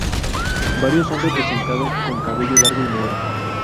Varios son representados con cabello largo y negro.